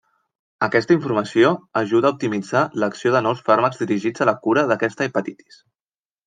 Aquesta informació ajuda a optimitzar l'acció de nous fàrmacs dirigits a la cura d'aquesta hepatitis.